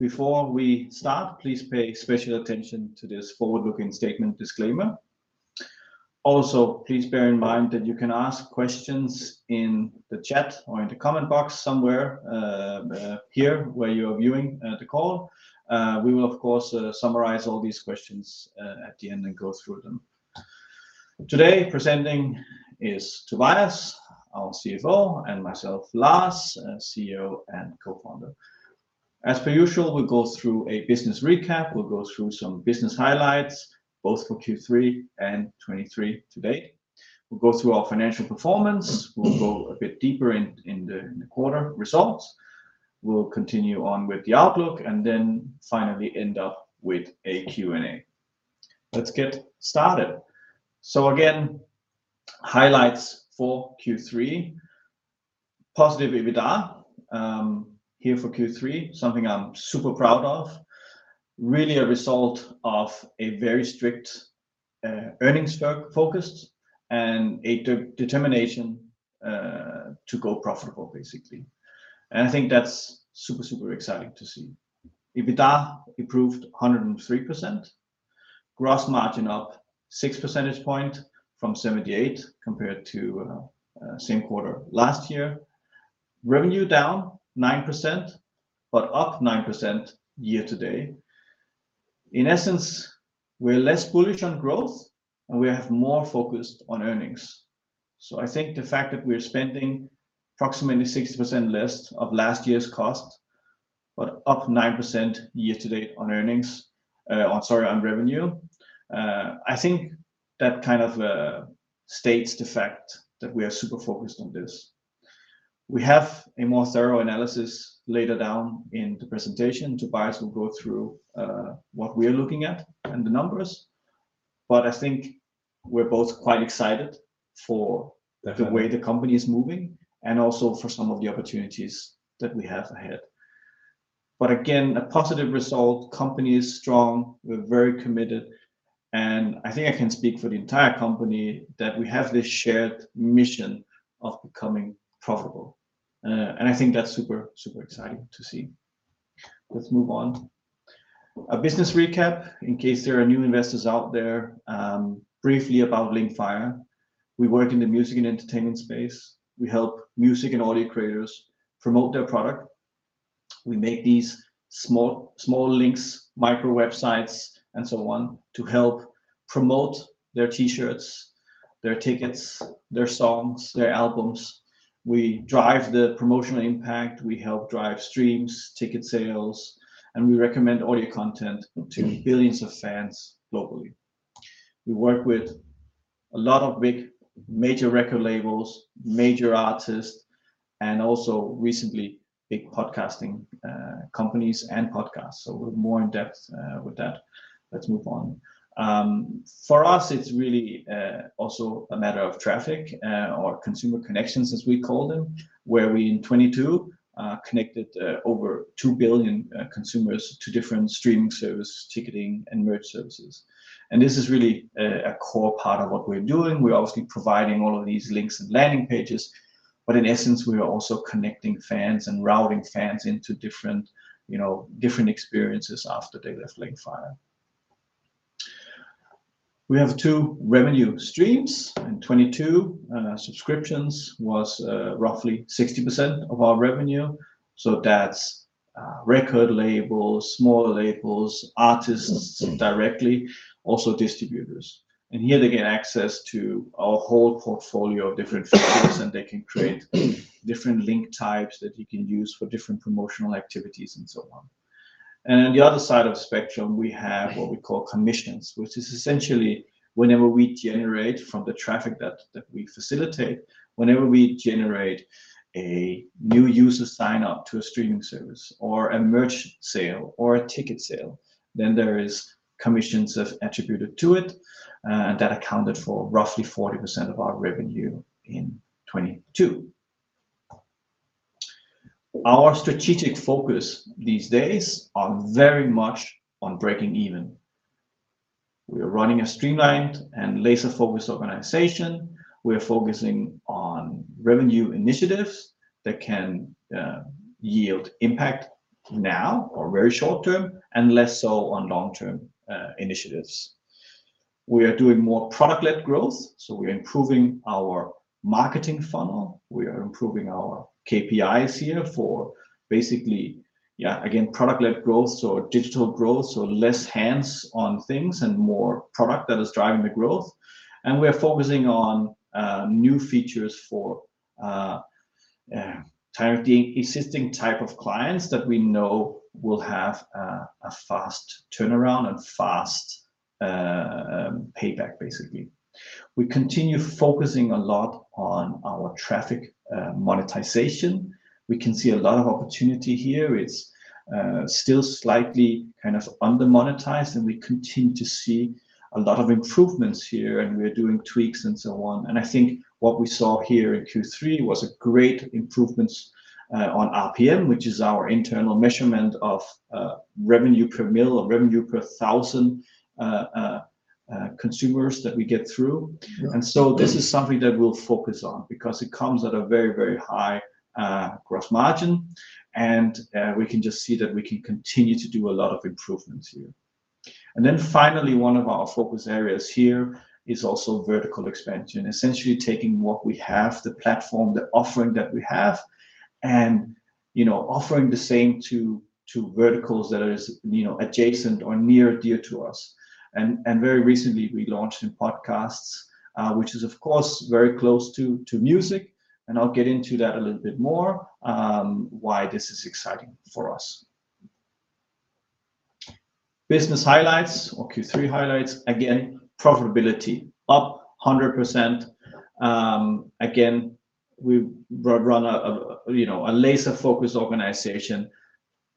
Before we start, please pay special attention to this forward-looking statement disclaimer. Also, please bear in mind that you can ask questions in the chat or in the comment box somewhere, here, where you are viewing, the call. We will, of course, summarize all these questions, at the end and go through them. Today, presenting is Tobias, our CFO, and myself, Lars, CEO and co-founder. As per usual, we'll go through a business recap, we'll go through some business highlights, both for Q3 and 2023 to date. We'll go through our financial performance. We'll go a bit deeper in the quarter results. We'll continue on with the outlook, and then finally end up with a Q&A. Let's get started. So again, highlights for Q3: positive EBITDA, here for Q3, something I'm super proud of, really a result of a very strict, earnings-focused, and a determination to go profitable, basically. And I think that's super, super exciting to see. EBITDA improved 103%, gross margin up six percentage point from 78%, compared to same quarter last year. Revenue down 9%, but up 9% year-to-date. In essence, we're less bullish on growth, and we have more focused on earnings. So I think the fact that we're spending approximately 60% less of last year's cost, but up 9% year-to-date on earnings, on, sorry, on revenue, I think that kind of states the fact that we are super focused on this. We have a more thorough analysis later down in the presentation. Tobias will go through what we are looking at and the numbers, but I think we're both quite excited for- Definitely... the way the company is moving, and also for some of the opportunities that we have ahead. But again, a positive result. Company is strong, we're very committed, and I think I can speak for the entire company, that we have this shared mission of becoming profitable, and I think that's super, super exciting to see. Let's move on. A business recap, in case there are new investors out there, briefly about Linkfire. We work in the music and entertainment space. We help music and audio creators promote their product. We make these smart, smart links, micro websites, and so on, to help promote their T-shirts, their tickets, their songs, their albums. We drive the promotional impact, we help drive streams, ticket sales, and we recommend audio content to billions of fans globally. We work with a lot of big, major record labels, major artists, and also recently, big podcasting, companies and podcasts, so we're more in depth, with that. Let's move on. For us, it's really, also a matter of traffic, or consumer connections, as we call them, where we in 2022, connected, over 2 billion, consumers to different streaming services, ticketing, and merch services. And this is really a core part of what we're doing. We're obviously providing all of these links and landing pages, but in essence, we are also connecting fans and routing fans into different, you know, different experiences after they left Linkfire. We have two revenue streams. In 2022, subscriptions was, roughly 60% of our revenue, so that's, record labels, smaller labels, artists directly, also distributors. Here, they get access to our whole portfolio of different features, and they can create different link types that you can use for different promotional activities, and so on. On the other side of spectrum, we have what we call commissions, which is essentially whenever we generate from the traffic that we facilitate, whenever we generate a new user sign-up to a streaming service, or a merch sale, or a ticket sale, then there is commissions that are attributed to it, that accounted for roughly 40% of our revenue in 2022. Our strategic focus these days are very much on breaking even. We are running a streamlined and laser-focused organization. We are focusing on revenue initiatives that can yield impact now or very short term, and less so on long-term initiatives. We are doing more product-led growth, so we're improving our marketing funnel, we are improving our KPIs here for basically, yeah, again, product-led growth, so digital growth, so less hands on things and more product that is driving the growth, and we are focusing on new features for targeting existing type of clients that we know will have a fast turnaround and fast payback, basically. We continue focusing a lot on our traffic monetization. We can see a lot of opportunity here. It's still slightly kind of under-monetized, and we continue to see a lot of improvements here, and we are doing tweaks and so on. And I think what we saw here in Q3 was a great improvements on RPM, which is our internal measurement of revenue per mille, or revenue per thousand... consumers that we get through. Yeah. And so this is something that we'll focus on, because it comes at a very, very high gross margin, and we can just see that we can continue to do a lot of improvements here. And then finally, one of our focus areas here is also vertical expansion. Essentially taking what we have, the platform, the offering that we have, and, you know, offering the same to, to verticals that is, you know, adjacent or near dear to us. And very recently, we launched in podcasts, which is of course, very close to, to music, and I'll get into that a little bit more, why this is exciting for us. Business highlights or Q3 highlights, again, profitability up 100%. Again, we run a, you know, a laser-focused organization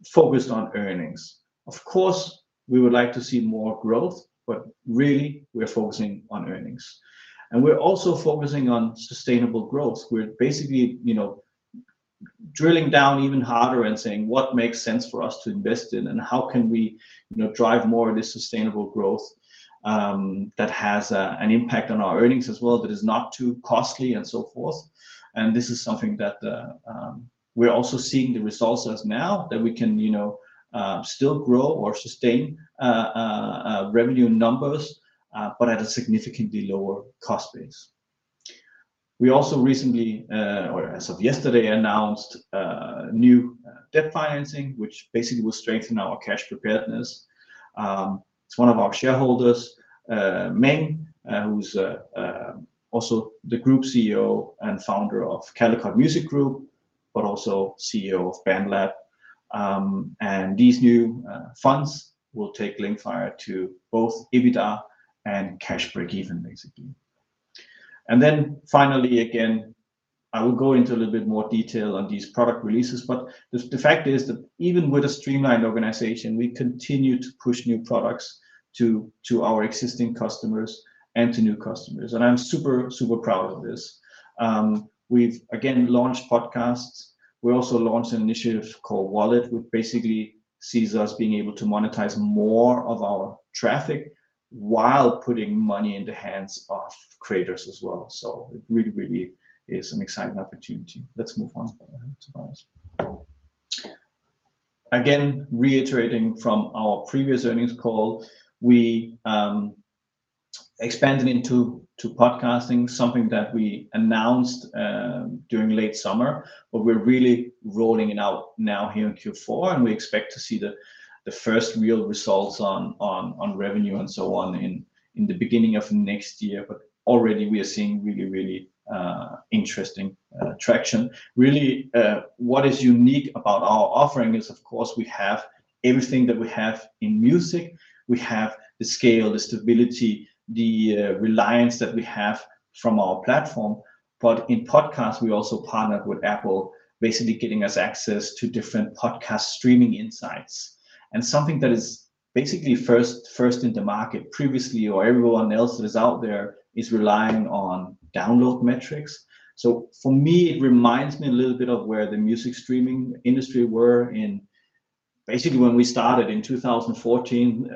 focused on earnings. Of course, we would like to see more growth, but really, we're focusing on earnings. And we're also focusing on sustainable growth. We're basically, you know, drilling down even harder and saying, "What makes sense for us to invest in, and how can we, you know, drive more of this sustainable growth, that has an impact on our earnings as well, that is not too costly and so forth?" And this is something that we're also seeing the results as now, that we can, you know, still grow or sustain revenue numbers, but at a significantly lower cost base. We also recently, or as of yesterday, announced new debt financing, which basically will strengthen our cash preparedness. It's one of our shareholders, Meng, who's also the Group CEO and founder of Caldecott Music Group, but also CEO of BandLab. And these new funds will take Linkfire to both EBITDA and cash breakeven, basically. Then finally, again, I will go into a little bit more detail on these product releases, but the fact is that even with a streamlined organization, we continue to push new products to our existing customers and to new customers, and I'm super, super proud of this. We've again launched podcasts. We also launched an initiative called Wallet, which basically sees us being able to monetize more of our traffic while putting money in the hands of creators as well. So it really, really is an exciting opportunity. Let's move on. Again, reiterating from our previous earnings call, we expanded into podcasting, something that we announced during late summer, but we're really rolling it out now here in Q4, and we expect to see the first real results on revenue and so on in the beginning of next year. But already we are seeing really, really interesting traction. Really, what is unique about our offering is, of course, we have everything that we have in music. We have the scale, the stability, the reliability that we have from our platform, but in podcast, we also partnered with Apple, basically getting us access to different podcast streaming insights. And something that is basically first in the market. Previously, everyone else that is out there is relying on download metrics. So for me, it reminds me a little bit of where the music streaming industry were in... basically when we started in 2014,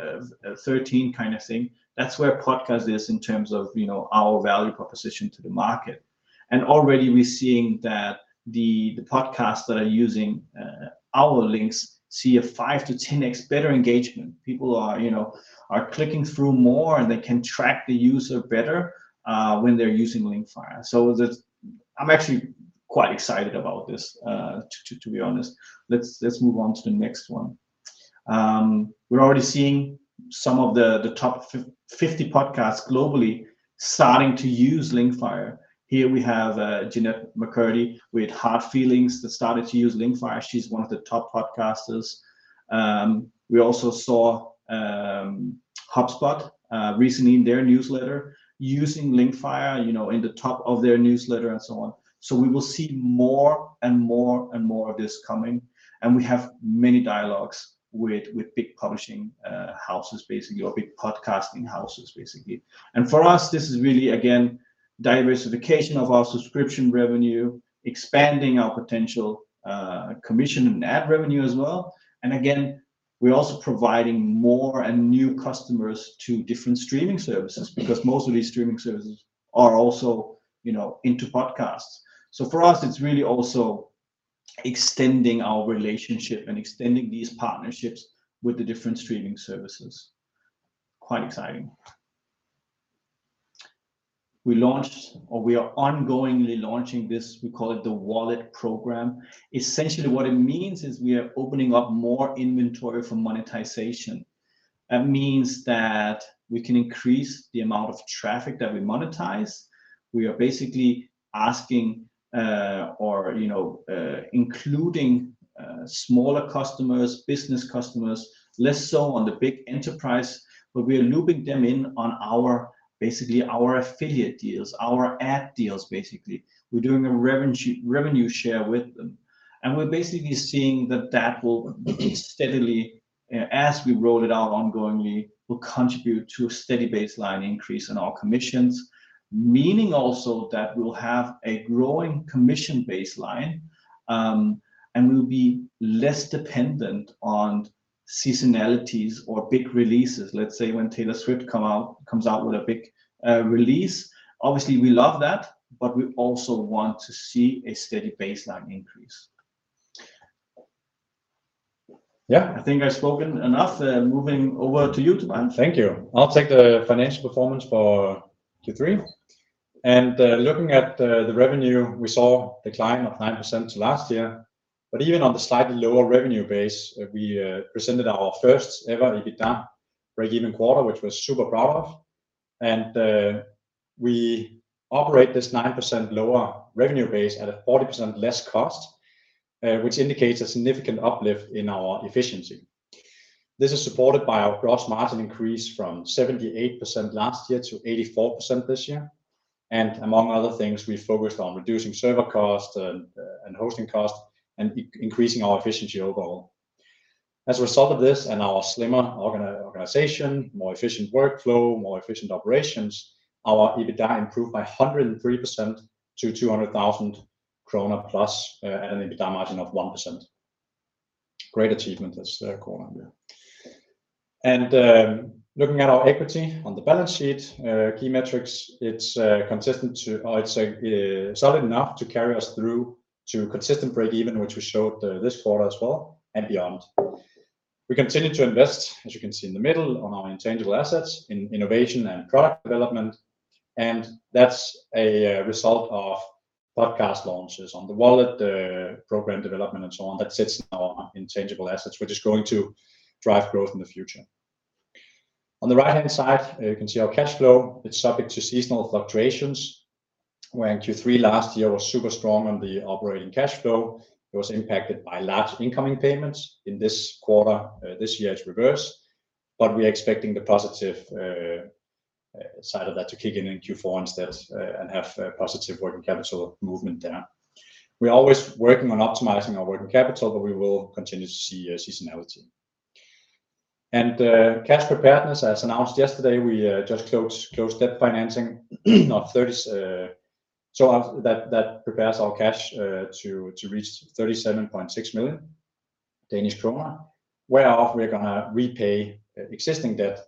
thirteen kind of thing. That's where podcast is in terms of, you know, our value proposition to the market. And already we're seeing that the podcasts that are using our links see a 5-10x better engagement. People are, you know, are clicking through more, and they can track the user better when they're using Linkfire. So that's. I'm actually quite excited about this, to be honest. Let's move on to the next one. We're already seeing some of the top 50 podcasts globally starting to use Linkfire. Here we have Jennette McCurdy with Hard Feelings that started to use Linkfire. She's one of the top podcasters. We also saw HubSpot recently in their newsletter using Linkfire, you know, in the top of their newsletter and so on. So we will see more, and more, and more of this coming, and we have many dialogues with, with big publishing houses, basically, or big podcasting houses, basically. And for us, this is really, again, diversification of our subscription revenue, expanding our potential, commission and ad revenue as well. And again, we're also providing more and new customers to different streaming services, because most of these streaming services are also, you know, into podcasts. So for us, it's really also extending our relationship and extending these partnerships with the different streaming services. Quite exciting. We launched, or we are ongoingly launching this, we call it the Wallet program. Essentially, what it means is we are opening up more inventory for monetization. That means that we can increase the amount of traffic that we monetize. We are basically asking, or, you know, including smaller customers, business customers, less so on the big enterprise, but we are looping them in on our, basically our affiliate deals, our ad deals, basically. We're doing a revenue share with them, and we're basically seeing that that will steadily, as we roll it out ongoingly, will contribute to a steady baseline increase in our commissions. Meaning also that we'll have a growing commission baseline, and we'll be less dependent on seasonality or big releases, let's say when Taylor Swift comes out with a big release, obviously, we love that, but we also want to see a steady baseline increase. Yeah, I think I've spoken enough. Moving over to you, Tim. Thank you. I'll take the financial performance for Q3. And, looking at the revenue, we saw a decline of 9% to last year, but even on the slightly lower revenue base, we presented our first ever EBITDA breakeven quarter, which we're super proud of, and we operate this 9% lower revenue base at a 40% less cost, which indicates a significant uplift in our efficiency. This is supported by our gross margin increase from 78% last year to 84% this year, and among other things, we focused on reducing server costs and hosting costs, and increasing our efficiency overall. As a result of this and our slimmer organization, more efficient workflow, more efficient operations, our EBITDA improved by 103% to 200,000 krone plus, an EBITDA margin of 1%. Great achievement this quarter. And, looking at our equity on the balance sheet, key metrics, it's solid enough to carry us through to consistent breakeven, which we showed this quarter as well and beyond. We continue to invest, as you can see in the middle, on our intangible assets, in innovation and product development, and that's a result of podcast launches on the Wallet program development, and so on, that sits now on intangible assets, which is going to drive growth in the future. On the right-hand side, you can see our cash flow. It's subject to seasonal fluctuations, where Q3 last year was super strong on the operating cash flow. It was impacted by large incoming payments. In this quarter, this year, it's reverse, but we are expecting the positive side of that to kick in in Q4 instead, and have a positive working capital movement there. We're always working on optimizing our working capital, but we will continue to see a seasonality. And, cash preparedness, as announced yesterday, we just closed debt financing. So that prepares our cash to reach 37.6 million Danish krone, whereof we're gonna repay existing debt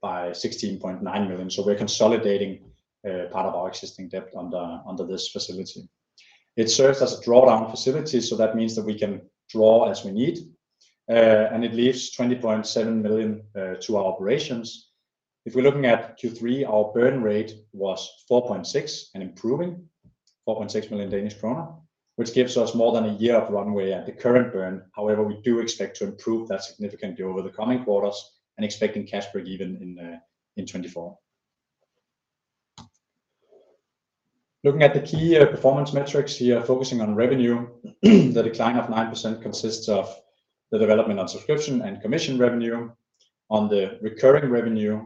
by 16.9 million. So we're consolidating part of our existing debt under this facility. It serves as a drawdown facility, so that means that we can draw as we need, and it leaves 20.7 million to our operations. If we're looking at Q3, our burn rate was 4.6 and improving, 4.6 million Danish kroner, which gives us more than a year of runway at the current burn. However, we do expect to improve that significantly over the coming quarters and expecting cash break-even in 2024. Looking at the key performance metrics here, focusing on revenue, the decline of 9% consists of the development on subscription and commission revenue. On the recurring revenue,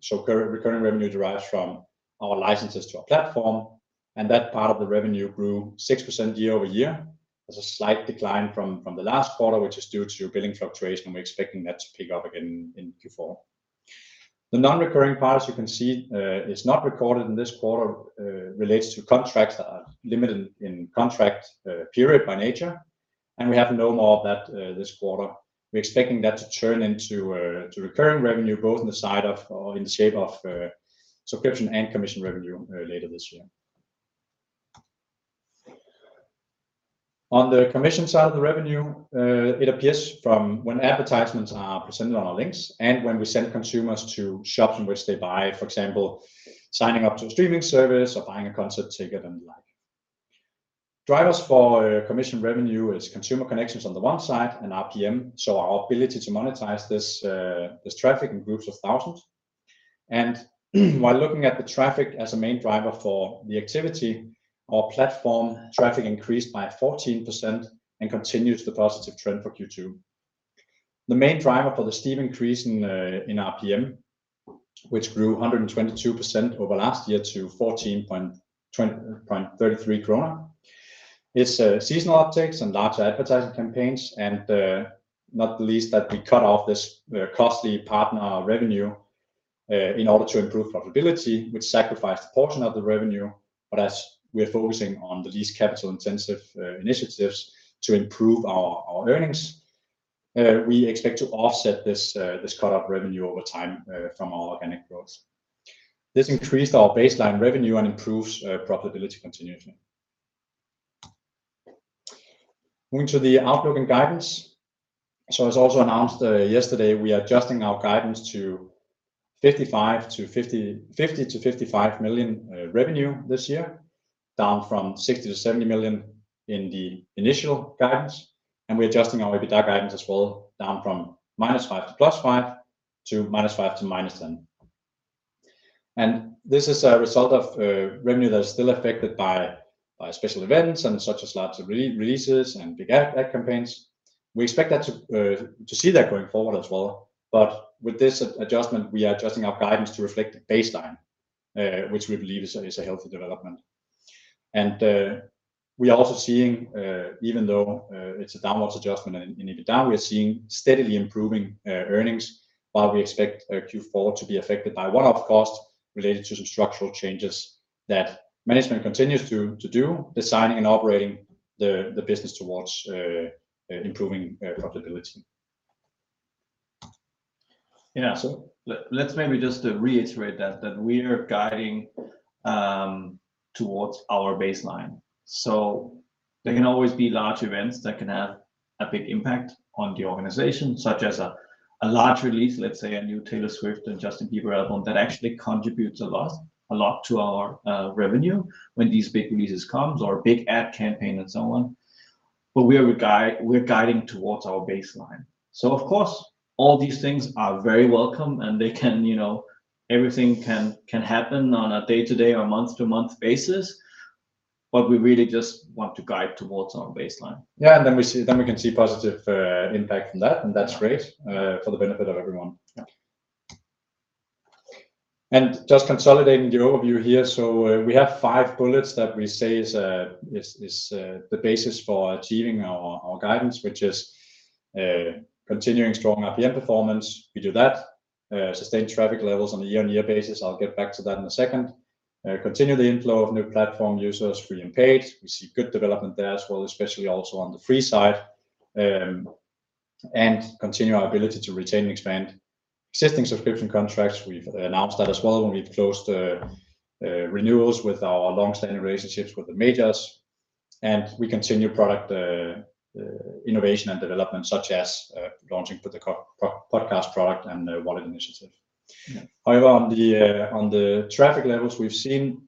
so recurring revenue derives from our licenses to our platform, and that part of the revenue grew 6% year-over-year. There's a slight decline from the last quarter, which is due to billing fluctuation, and we're expecting that to pick up again in Q4. The non-recurring part, as you can see, is not recorded in this quarter, relates to contracts that are limited in contract period by nature, and we have no more of that this quarter. We're expecting that to turn into recurring revenue, both on the side of or in the shape of subscription and commission revenue later this year. On the commission side of the revenue, it appears from when advertisements are presented on our links and when we send consumers to shops in which they buy, for example, signing up to a streaming service or buying a concert ticket and the like. Drivers for commission revenue is consumer connections on the one side and RPM, so our ability to monetize this traffic in groups of thousands. While looking at the traffic as a main driver for the activity, our platform traffic increased by 14% and continues the positive trend for Q2. The main driver for the steep increase in RPM, which grew 122% over last year to 14.33 krone, is seasonal upticks and larger advertising campaigns, and not the least that we cut off this costly partner revenue in order to improve profitability, which sacrificed a portion of the revenue, but as we're focusing on the least capital-intensive initiatives to improve our earnings, we expect to offset this cut-off revenue over time from our organic growth. This increased our baseline revenue and improves profitability continuation. Moving to the outlook and guidance. So as also announced yesterday, we are adjusting our guidance to 50-55 million revenue this year, down from 60-70 million in the initial guidance, and we're adjusting our EBITDA guidance as well, down from -5 million to +5 million to -5 million to -10 million. And this is a result of revenue that is still affected by special events and such as lots of re-releases and big ad campaigns. We expect that to see that going forward as well. But with this adjustment, we are adjusting our guidance to reflect the baseline, which we believe is a healthy development. We are also seeing, even though it's a downwards adjustment in EBITDA, we are seeing steadily improving earnings, while we expect our Q4 to be affected by one-off costs related to some structural changes that management continues to do, designing and operating the business towards improving profitability. Yeah, so let's maybe just to reiterate that, that we are guiding towards our baseline. So there can always be large events that can have a big impact on the organization, such as a large release, let's say, a new Taylor Swift and Justin Bieber album, that actually contributes a lot, a lot to our revenue when these big releases comes or a big ad campaign and so on. But we're guiding towards our baseline. So of course, all these things are very welcome, and they can, you know, everything can happen on a day-to-day or month-to-month basis, but we really just want to guide towards our baseline. Yeah, and then we can see positive impact from that, and that's great for the benefit of everyone. Yeah. Just consolidating the overview here. So, we have five bullets that we say is the basis for achieving our guidance, which is continuing strong RPM performance. We do that. Sustained traffic levels on a year-on-year basis. I'll get back to that in a second. Continue the inflow of new platform users, free and paid. We see good development there as well, especially also on the free side. And continue our ability to retain and expand existing subscription contracts. We've announced that as well when we've closed the renewals with our long-standing relationships with the majors. And we continue product innovation and development, such as launching for the podcast product and the Wallet initiative. Yeah. However, on the traffic levels, we've seen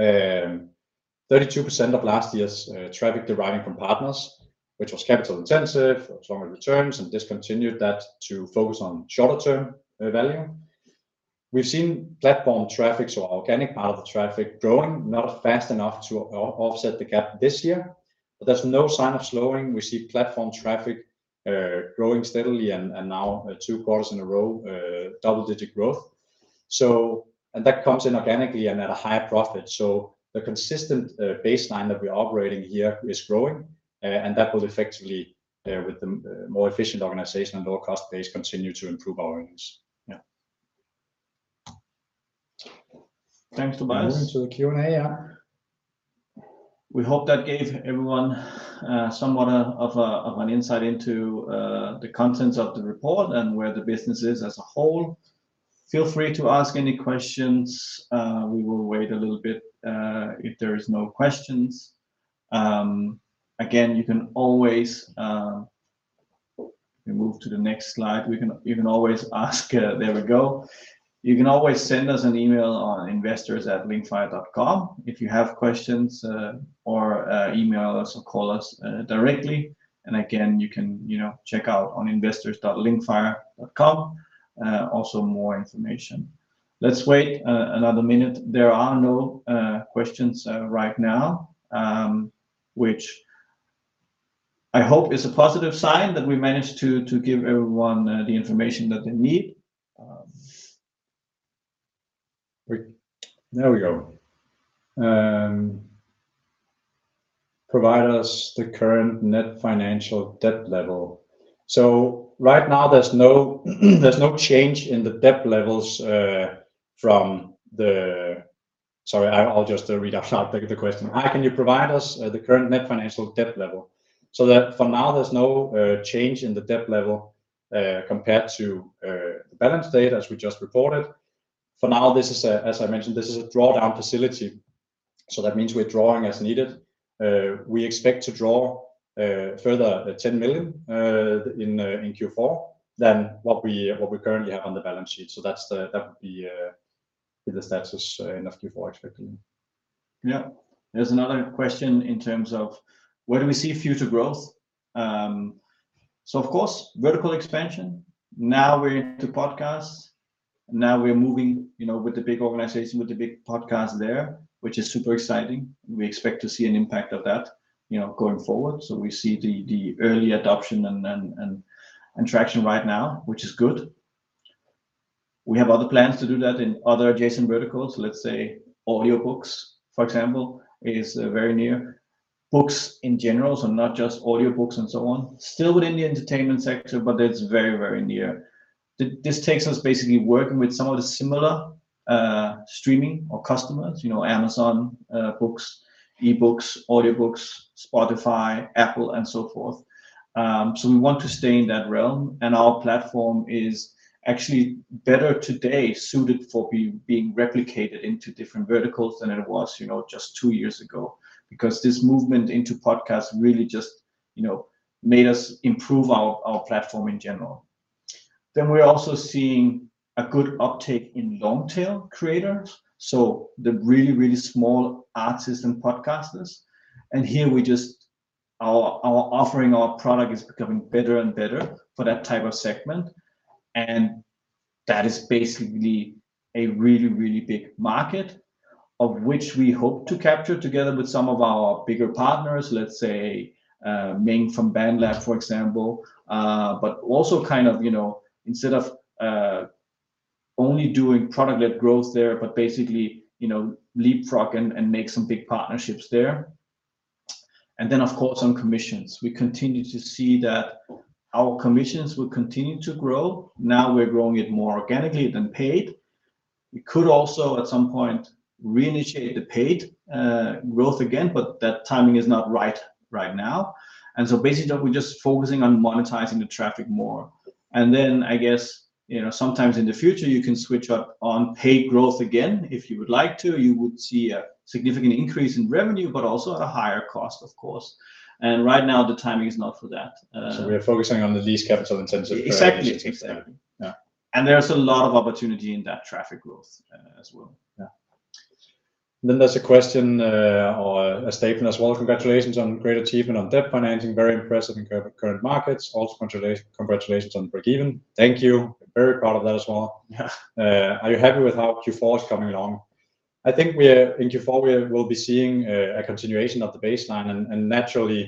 32% of last year's traffic deriving from partners, which was capital intensive, stronger returns, and discontinued that to focus on shorter term value. We've seen platform traffic, so organic part of the traffic, growing, not fast enough to offset the gap this year, but there's no sign of slowing. We see platform traffic growing steadily and now two quarters in a row double-digit growth. So... And that comes in organically and at a higher profit. So the consistent baseline that we're operating here is growing, and that will effectively with the more efficient organization and lower cost base continue to improve our earnings. Yeah. Thanks, Tobias. Moving to the Q&A, yeah. We hope that gave everyone somewhat of an insight into the contents of the report and where the business is as a whole. Feel free to ask any questions. We will wait a little bit. If there is no questions, again, you can always ask. There we go. You can always send us an email on investors@linkfire.com if you have questions, or email us or call us directly. And again, you can, you know, check out on investors.linkfire.com, also more information. Let's wait another minute. There are no questions right now, which I hope is a positive sign that we managed to give everyone the information that they need. There we go. Provide us the current net financial debt level. So right now there's no change in the debt levels from the... Sorry, I'll just read out the question. "Hi, can you provide us the current net financial debt level?" So for now, there's no change in the debt level compared to the balance date as we just reported. For now, this is a, as I mentioned, this is a drawdown facility, so that means we're drawing as needed. We expect to draw further 10 million in Q4 than what we currently have on the balance sheet. So that's the, that would be the status in Q4 expecting. Yeah. There's another question in terms of, "Where do we see future growth?" So of course, vertical expansion. Now we're into podcasts. Now we're moving, you know, with the big organization, with the big podcast there, which is super exciting. We expect to see an impact of that, you know, going forward. So we see the early adoption and traction right now, which is good. We have other plans to do that in other adjacent verticals. Let's say, audiobooks, for example, is very near. Books in general, so not just audiobooks and so on. Still within the entertainment sector, but it's very, very near. This takes us basically working with some of the similar streaming or customers, you know, Amazon books, e-books, audiobooks, Spotify, Apple, and so forth. So we want to stay in that realm, and our platform is actually better today suited for being replicated into different verticals than it was, you know, just two years ago. Because this movement into podcasts really just, you know, made us improve our, our platform in general. Then we're also seeing a good uptake in long-tail creators, so the really, really small artists and podcasters. And here we just... Our, our offering, our product is becoming better and better for that type of segment, and that is basically a really, really big market, of which we hope to capture together with some of our bigger partners, let's say, Meng from BandLab, for example. But also kind of, you know, instead of only doing product-led growth there, but basically, you know, leapfrog and make some big partnerships there. And then, of course, on commissions. We continue to see that our commissions will continue to grow. Now we're growing it more organically than paid. We could also at some point reinitiate the paid growth again, but that timing is not right right now. And so basically, we're just focusing on monetizing the traffic more. And then I guess, you know, sometimes in the future, you can switch up on paid growth again, if you would like to. You would see a significant increase in revenue, but also at a higher cost, of course, and right now the timing is not for that. So we are focusing on the least capital intensive- Exactly. Exactly. Yeah. And there's a lot of opportunity in that traffic growth as well. Yeah. Then there's a question or a statement as well: "Congratulations on great achievement on debt financing. Very impressive in current, current markets. Also, congratulations, congratulations on breakeven." Thank you. Very proud of that as well. Yeah. Are you happy with how Q4 is coming along? I think we are. In Q4, we will be seeing a continuation of the baseline. And naturally,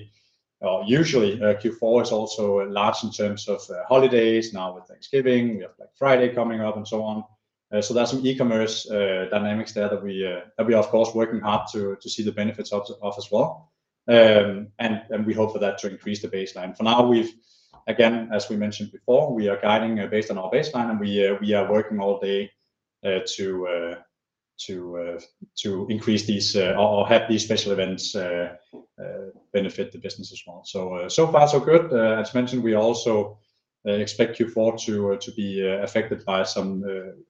usually Q4 is also large in terms of holidays, now with Thanksgiving, we have Black Friday coming up, and so on. So there's some e-commerce dynamics there that we are of course working hard to see the benefits of as well. And we hope for that to increase the baseline. For now, we've... Again, as we mentioned before, we are guiding based on our baseline, and we are working all day to increase these or have these special events benefit the business as well. So, so far so good. As mentioned, we also expect Q4 to be affected by some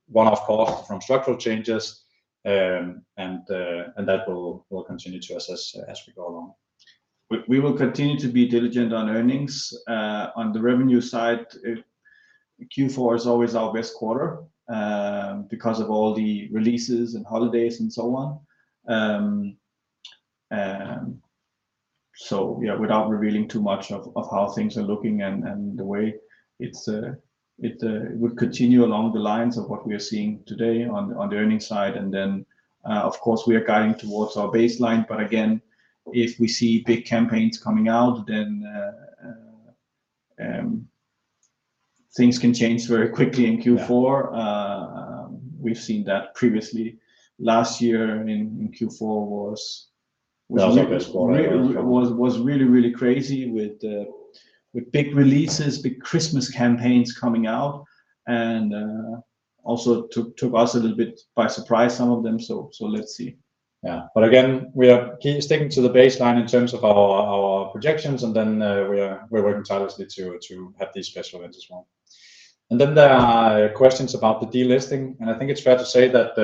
one-off costs from structural changes. And we will continue to assess as we go along. We will continue to be diligent on earnings. On the revenue side, Q4 is always our best quarter because of all the releases and holidays and so on. And so, yeah, without revealing too much of how things are looking and the way it would continue along the lines of what we are seeing today on the earnings side. And then, of course, we are guiding towards our baseline, but again, if we see big campaigns coming out, then things can change very quickly in Q4. Yeah. We've seen that previously. Last year in Q4 was our best quarter. Was really crazy with big releases, big Christmas campaigns coming out, and also took us a little bit by surprise, some of them. So let's see. Yeah. But again, we are keeping sticking to the baseline in terms of our projections, and then we are working tirelessly to have these special events as well. And then there are questions about the delisting, and I think it's fair to say that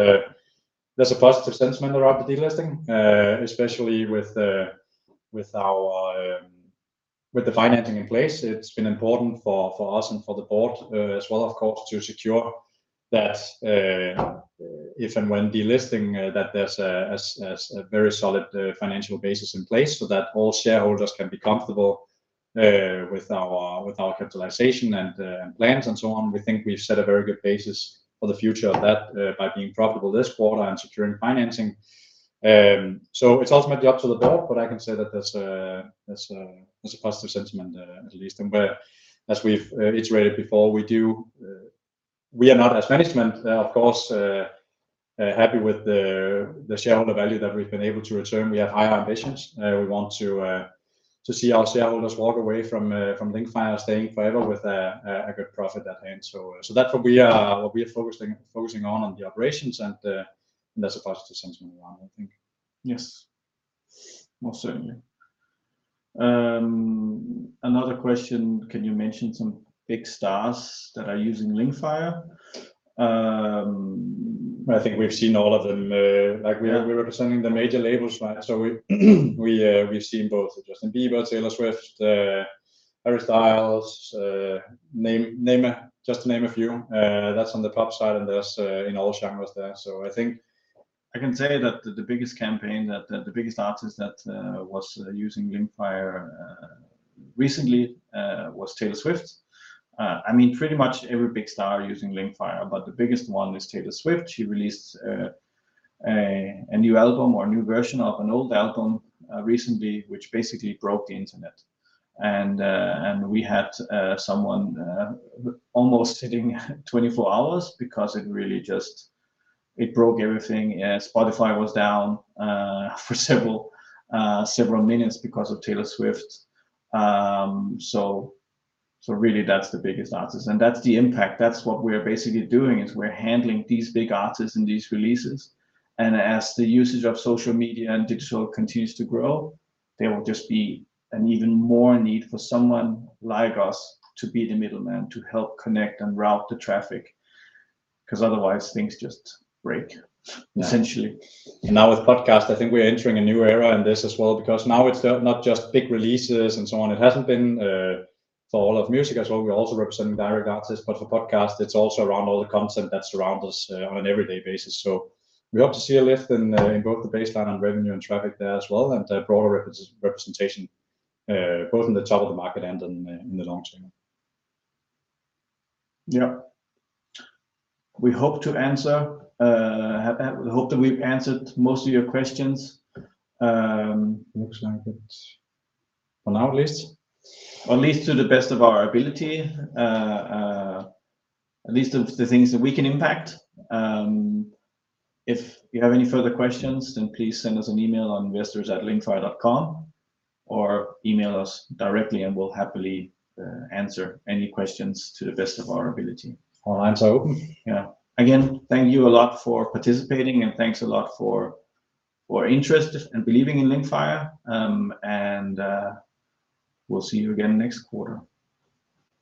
there's a positive sentiment around the delisting, especially with our financing in place. It's been important for us and for the board, as well, of course, to secure that if and when delisting that there's a very solid financial basis in place, so that all shareholders can be comfortable with our capitalization and plans and so on. We think we've set a very good basis for the future of that by being profitable this quarter and securing financing. So it's ultimately up to the board, but I can say that there's a positive sentiment, at least. And, as we've iterated before, we do... We are not, as management, of course, happy with the shareholder value that we've been able to return. We have higher ambitions. We want to see our shareholders walk away from Linkfire staying forever with a good profit at hand. So that's what we are focusing on the operations end, and there's a positive sentiment around, I think. Yes. Most certainly. Another question: "Can you mention some big stars that are using Linkfire?" I think we've seen all of them. Yeah. Like, we're representing the major labels, right? So we've seen both Justin Bieber, Taylor Swift, Harry Styles, just to name a few. That's on the pop side, and there's in all genres there. So I think I can say that the biggest artist that was using Linkfire recently was Taylor Swift. I mean, pretty much every big star are using Linkfire, but the biggest one is Taylor Swift. She released a new album or a new version of an old album recently, which basically broke the internet. And we had someone almost sitting 24 hours because it really just it broke everything. Spotify was down for several minutes because of Taylor Swift. So really that's the biggest artist, and that's the impact. That's what we're basically doing, is we're handling these big artists and these releases. And as the usage of social media and digital continues to grow, there will just be an even more need for someone like us to be the middleman, to help connect and route the traffic, 'cause otherwise things just break. Yeah, essentially. Now with podcast, I think we're entering a new era in this as well, because now it's not just big releases and so on. It hasn't been for all of music as well. We're also representing direct artists, but for podcast, it's also around all the content that surround us on an everyday basis. So we hope to see a lift in both the baseline on revenue and traffic there as well, and a broader representation both in the top of the market and in the long term. Yeah. We hope that we've answered most of your questions. Looks like it. On our list. At least to the best of our ability, at least of the things that we can impact. If you have any further questions, then please send us an email on investors@linkfire.com, or email us directly, and we'll happily answer any questions to the best of our ability. Online or so. Yeah. Again, thank you a lot for participating, and thanks a lot for your interest and believing in Linkfire. We'll see you again next quarter.